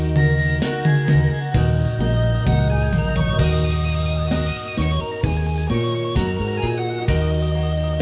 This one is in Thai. ขอให้พร้อม